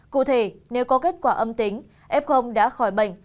cụ thể nếu có kết quả âm tính f đã khỏi bệnh